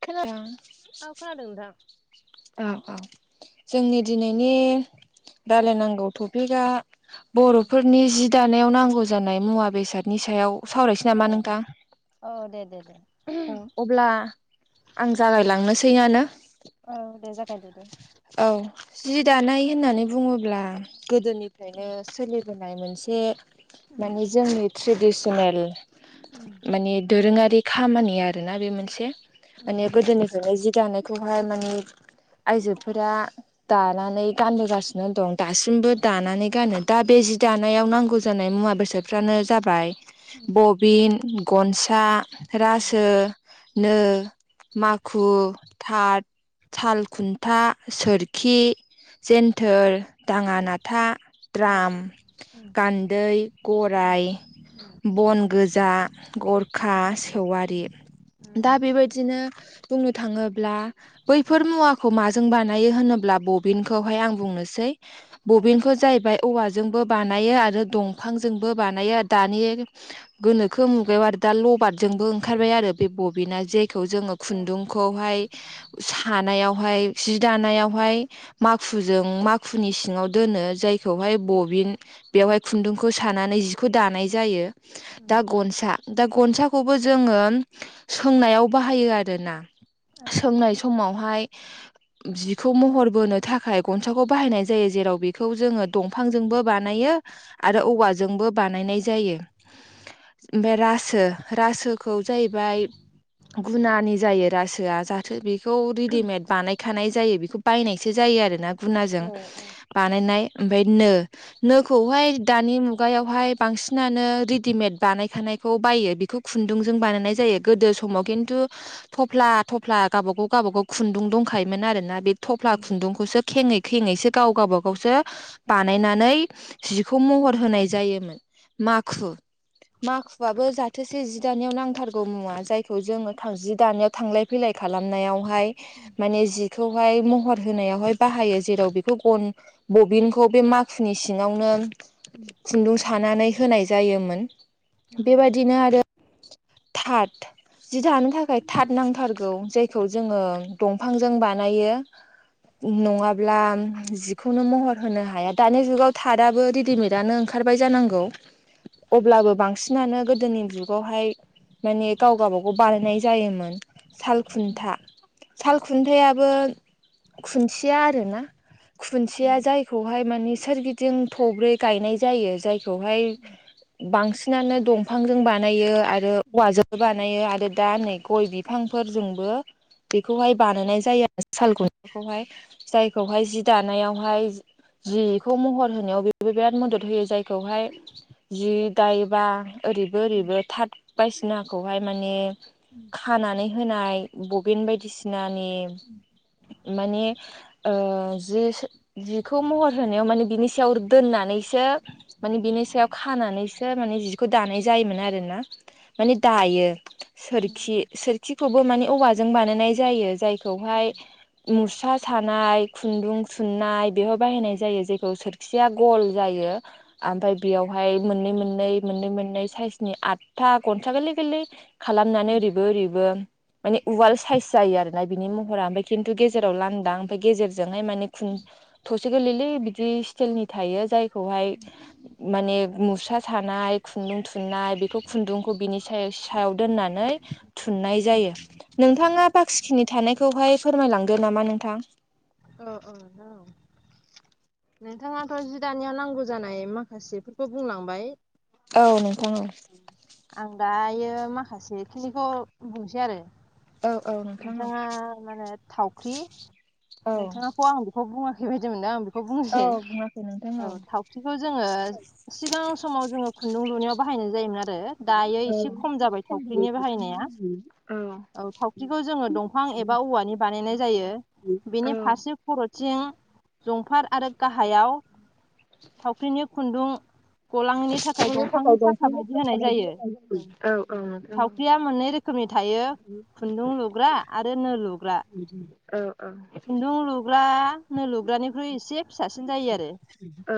ख औखाादोंं दा औ औ जोंनि दिनैनि औ रायलायनांगौ टपिकआ बर'फोरनि जि दानायाव नांगौ जानाय मुवा बेसादनि सायाव सावरायसै नामा औ नोंथां? औ दे दे दे अब्ला आं जागायलांनोसैआनो औ दे जागायदो दे। औ जि दानाय होननानै बुङोब्ला गोदोनिफ्रायनो सोलिगोन मोनसे औ माने जोंनि ट्रेडिसनेल माने औ दोरोङारि खामानि आरोना बे मोनसे माने गोदोनिफ्रायनो जि दानायखौहाय माने आयजोोब फोर दानानै गानबोोगासिनो दं दासिमबो दानानै गानो दा बे जि दानायाव औ नांगौ जानाय मुवा बेसादफ्रानो जाबाय बबिन गनसा औ रासो नो माखु थाथ थाल खु फथा सोरखि जेन्थोर दाङा नाथा औ द्राम गान्दै गरराय बन गोजा गरखा सेवारि दा बेबायदिनो बुंनो थाङोब्ला बैफोर मुवाखौ ब ज औवाजोंबो बानायो आरो दंफांजोंबो बानायो दानि गोनोखो मुगायाव आरो दा लबारजोंबो ओंखारबाय आरो बे बबिना जे खौ जोङो खुन्दुंखौहाय सानायावहाय सि दानायावहाय माखुजों माखुनि सिङाव दोनो जायखौहाय बबिन बेवहाय खुन्दुंखौ सानानै जिखौ दानाय जायो दा गनसा दा गनसाखौबो जोङो सोंनायाव बाहायो आरोना सोंनाय समावहाय जिखौ महर बोनो थाखाय गनसाखौ बाहायनाय जायो जेराव बेखौ जोङो दंफांजोंबो बानायो आरो औवाजोंबो बानायनाय जायो ओमफ्राय रासो रासोखौ जाहैबाय गुनानि जायो रासोआ जाथो बे बेखौ रेडिमेड बानायखानाय जायो बेखौ बायनायसो जायो आरोना गुनाजों बानायनाय ओमफफ्राय नो नोखौहाय दानि मुगायावहाय बांसिनानो रेडिमेड बानायखानाय ब बे खु बानायावु थ गाव गाव ग गबाग गाव खुन्दुं दं खायोमोन आरो ना बे थफ्ला खुन्दुंखौसो खेङै खेङैसो गाव गावब गावसो बानायनानै जिखौ महर होनाय जायोमोन माखु माखुआआबो जाथोसे जि दानायाव नांथारगौ मुवा जायखौ जोङो जि दानायाव थांलाय फैलाय खालामनायावहाय खौहाय महर होनहाय बाह जेराव बे बबिनखौ बे माखुनिसि नो खुन्दुं सानानै होनाय जायोन बेबायदिनो आरो थााथ जि दानो थाखाय थाथ नांथारगौ जायखौ जोङो दंफांजों बानायो नङाब्ला जिखौनो महर होनो हाया दानि जुगाव थादाबो रेडिमेदआनो ओंखार ओंखारबाय जानांगौ अब्लाबो बांसिनानो गोदोनि जुगावहाय माने गाव गबागाव बानायनाय जायोमोन साल खुन्था साल खुन्थायाइाबो खुन्थिया आरोना खुुनसेया जायखौहाय मानिे सोरगिदिं थब्रै गायनाय जायो जायखौहाय बांसिनानो दंफांजों बानायो आरो आरो औवाजों बानायो आरो दा नै गय बिफांफोरजोंबो बेखौहाय बानायनाय जायो आरो साल गाखौहाय जायखौहाय जि दानायावहाय जिखौ महर होनायाव बेबो बिराद मदद होयो जायखौहाय जि दायोबा ओरैबो ओरैबो थार्द बायसिनाखौहाय माने खानानै होनाय बेन बायदिसिनानि माने ओ जि जिखौ महर होनायाव माने बिनि सायाव दोननानैसो माने बिनि नि सायाव खानानैसो माने जिखौ दानाय जायोमोन आरोना माने दायो सोरखि सोरखिखौबो मानि औवाजों बानायनाय जायो जाय खौहाय मुसा सानाय खुनदुं थुनननाय बेयाव बाहायनाय जायो जेखौ सोरखिया गल जायो ओमफ्राय बेयावहाय मोननै मोननै मोननै मोननै साइसनि आठथा गनसा गोरलै गोरलै खालामनानै ओरैबो ओरैबो माने उवाल साइस जायो आरोना बिनि महरा ओमफ्राय खिनथु गेजेराव लांदा ओमफ्राय गेजेरजोंहाय माने ब गोरलैलै बिदि स्टिलनि थायो जायखौहाय माने मुस्रा सानाय ख खुनदुं थुननाय बेखौ खुनदुंखौ बिनि सायाव दोननानै थुननाय जायो नोंथाङा बाखिखिनि थानायखौहाय फोरमायलांदो नामा नोंथां औ औ औ नोंथाङाथ' जि दानियाव नांगौ जानाय माखासेफोरखौ बुंलांबाय औ नोंथां औ आं दायो माखासे खिनिखौ बुंनोसै आरो औ औ नोंथां औ जोंहा मा होनो थावख्रि औ नोंथाङाखौ आं बेखौ बुङाखै बायदि मोनदों आं खौ बुंनोसै औ थावख्रिखौ जोङो सिगां समाव जोङो खुनदुं लुनायाव बाहाय जायोमोन आरो दायो एसे औ नोंथां खम जाबाय औ थावख्रिनि बाहायनाया औ थावख्रिखौ ज जोङो दंफां एबा औवानि बानायनाय जायो बेनि फारसे खर'थिं जंफार आरो गाहायाव थावख्रिनि खुनदुं गलाङनि थाखाय दंफांनि साखा बायदि होनाय जायो थावख्रिया मोननै रोखोमनि थायो खुनदुं लुग्रा आरो नो लुग्रा औ औ। खुनदुं लुग्रा नो लुग्रानिख्रुइ एसे फिसासिन जायो आरो। औ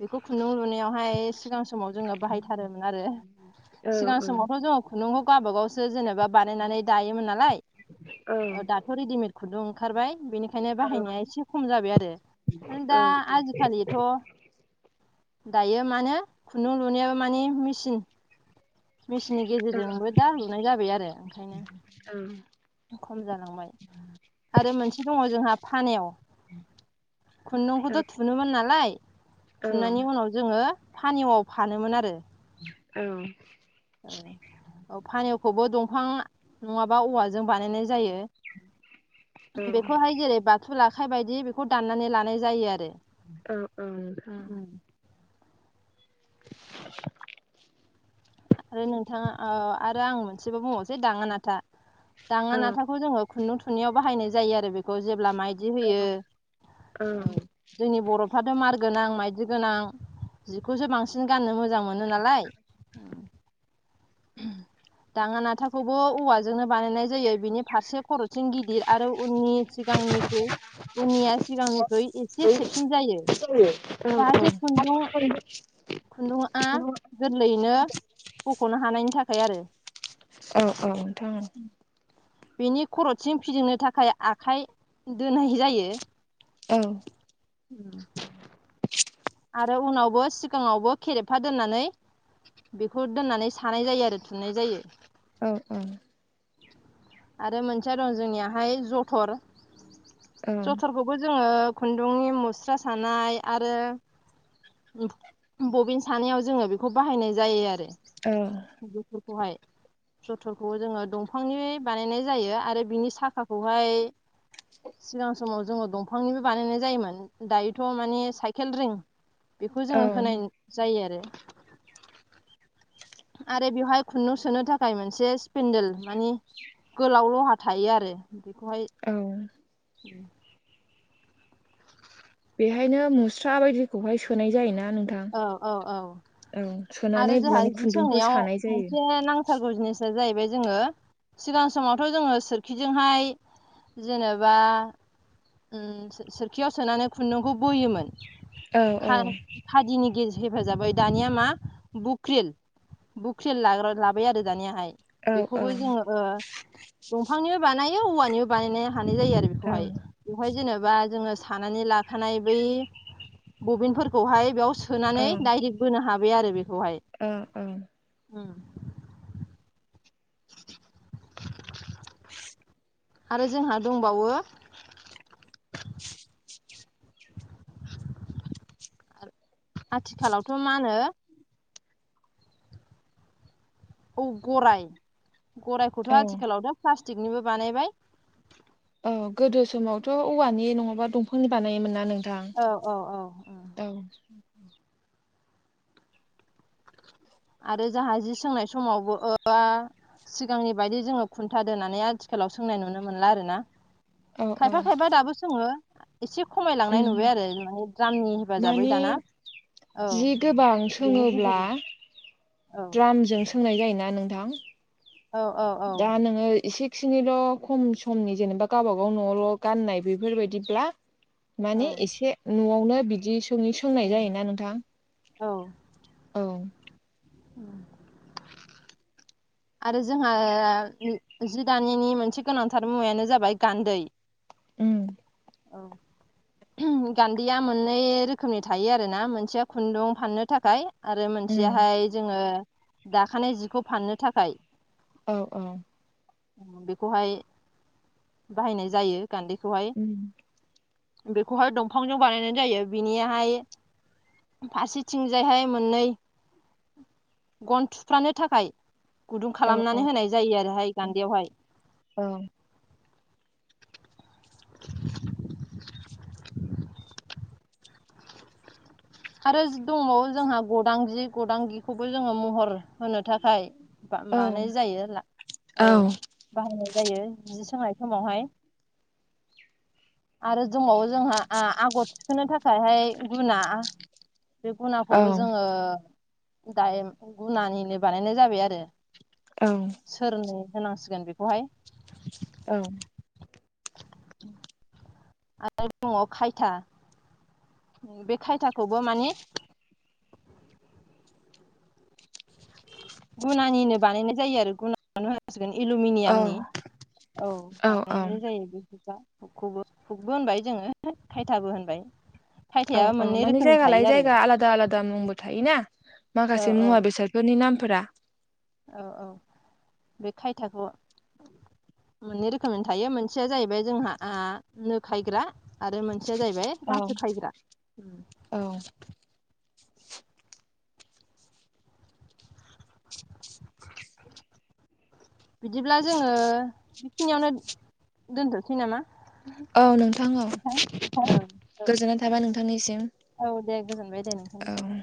बेखौ खुनदुं लुनायाव हाय सिगां समाव जोङो बाहायथारोमोन आरो सिगां समावथ' जोङो खुनदुंखौ गावबा गाव सो जेनेबा बानायनानै दायोमोन नालाय औ। रेडिमेद खुनदुं ओंखारबाय बेनिखायनो बाहायनाया एसे खम जाबाय आरो। नों दा आजिखालिथ' दायो माने खुनदुं लुनायाव माने मेचिन मेचिननि गेजेरजोंबो दा लुनाय जाबाय आरो ओंखायनो खम जालांबाय। आरो मोनसे दङ जोंहा फानेव खुनदुंखौथ' थुनोमोन नालाय थुनायनि उनाव जोङो फानेवयाव फानोमोन आरो। औ औ फानेवखौबो दंफां नङाबा औवाजों बानायनाय जायो बेखौहाय जेरै बाथु ल आखाइ बायदि बेखौ दाननानै लानाय जायो आरो। औ औ ओ [inaudible] आरो नोंथाङा आरो आं मोनसेबो बुंङावोसै दाङानाथा दाङानाथाखौ जोङो खुनदुं थुननाययाव बाहायनाय जायो आरो बेखौ जे जेब्ला माइबिदि होयो जोंनि बर'फोराथ' मार गोनां माइदि गोनां जिखौसो बांसिन गाननो मोजां मोनो नालाय। दाङा नाथाखौबो औवाजोंनो बानायनाय जायो बिनि फारसे खरस थिं गिदिर आरो उननि सिगांनिखौ उननिया सिगांनिख्रुइ एसे सेबसिन जायो। औ जाहाथे खुन्दुं औ खुन्दुंआ गोरलैयैनो नो हानायनि थाखाय आरो औ औ नोंथांमोन। बेनि खर'सिम फिदिंनो थाखाय आखाइ दोननाय जायो। औ उम ओमफ्राय उनावबो सिगाङावबो खेरेफा दोननानै बेखौ दोननानै सानाय जायो आरो थुननाय जायो। औ औ आरो मोनसेया दं जोंनियाहाय जथर जथरखौबो जोङो खुन्दुंनि मुस्रा सानाय आरो बबिन सानैयाव जोङो बेखौ बाहायनाय जायो आरो। औ जथरखौहाय जथरखौ जोङो दंफांनि बानायनाय जायो आरो बिनि साखाखौहाय सिगां समाव जोङो दंफांनिबो बानायनाय जायोमोन दायोथ' माने साइकेल रिं बेखौ जोङो होनाय जायो आरो। [inaudible] आरो बेवहाय खुन्दुं सोनो थाखाय मोनसे स्पेन्देल मानि गोलाव लहा थायो आरो बेखौहाय औ बेहायनो मुस्रा बायदिखौहाय सोनाय जायोना। नोंथां औ औ औ औ आरो सोनानै जोंहा माने बिदि खुन्दुंखौ सोंनायाव सानाय जायो मोनसे नांथारगौ जिनिसा जायो। बे जोङो सिगां समावथ' जोङो सोरखिजोंहाय जेनेबा सोरखियाव सोनानै खुन्दुंखौ बोयोमोन औ औ नि गेज हेफाजाबै दानिया मा बुख्रिल बुख्रिल लाग्रा लाबाय आरो दानियाहाय औ औ बेखौबो जोङो दंफांनिबो बानायो औवानिबो बानायनाया जायो औ बेखौाय बेवहाय जेनेबा जेनेबा सानानै लाखानाय बुबिन फोरखो सोनानै दडाइरेक्ट बोनो हाबाय आरो बेखौ औ औ उम [inaudible] आरो जोंहा दंबावो [inaudible] आथिखालावथ' मा होनो औ गराय गराइखौथ' औ आथिखालावथ' प्लास्टिकनिबो बानायबाय औ गोदो समावथ' औवानि नङाबा दंफांनि बानायोमोन ना नों औ औ औ औ आरो जाहा जि सोंनाय समावबो सिगांनि बायदि जोङो खुन्थादोननानै आथिखाल लाव सोंनाय नुनो मोनला आरो ना औ औ खायफा खायफा दाबो सोङो एसे खमायलांनाय उम नुबाय आरो माने द्रामनि हेफाजाबै माने दाना औ जि गोबां बेनि सोङोब्ला गेजेरजों औ द्रामजों सोंनाय जायोना नोंथां औ औ औ दा नोङो एसे खिनिल' खम समनि जेनेबा गावबागाव न'आवल' गाननाय बेफोरबायदिब्ला माने औ एसे न'आवनो बिदि सों सोंनाय जायोना नोंथां औ औ आरो जोंहा जि दानिनि मोनसे गोनांथार मुवायानो जाबाय गान्दै उम औ गान्दैया मोननै रोखोमनि थायो आरो ना मोनसेया खुन्दुं फाननो थाखाय आरो उम मोनसेयाहाय जोङो दाखानाय जिखौ फाननो थाखाय औ औ बेखौहाय बाहायनाय जायो गान्दैखौहाय उम बेखौहाय दंफांजों बानायनाय जायो बिनिहाय फारसेथिंजायहाय मोननै गन थुफ्र्लानो थाखाय गुदुं औ खालामनानै औ होनाय जायो आरोहाय गान्दयावहाय औ [unintelligible] आरो दङो जोंहा गुदांगि गदांगिखौबो जोङो महर होनो थाखाय औ मानाय जायो औ बाहायनाय जायो समावहाय आरो दोंबावो जोंहा आगर थिखोनो थाखायहाय गुना बे औ गुनाखौबो जोङो दायो गुनानिनो बानायनाय जाबाय आरो औ सोरन होनांसिगोन बेखौहाय औ [unintelligible] आरो मुङाव खायथा बे खायथाखौबो माने गुनानिनो बानायनाय जायो आरो गुना ग एलमिनियामनि औ औ बानायनाय जायो बे ाबो हुगबो होनबाय जोङो खायथाबो होनबाय औ खायथाया औ मोननै मानिे रोखोमनि जायगा थायो लाय आरो जायगा आलादा आलादा मुंबो थायोना औ माखासे औ मुवा बेसादफोरनि नामफोरा औ औ बे खायथाखौ मोननै रोखोमनि थायो मोनसेया जाहैबाय जोंहा नो खायग्रा आरो मोनसेया जाहैबाय औ रासो खायग्रा औ बिदिब्ला जोङो बेखिनियावनो दोनथ'सै नामा औ नोंथांाव नोंथां औ गोजोननाय औ थाबाय नोंथांनिसिम औ दे गोजोनबाय दे औ नोंथांनिसिमबो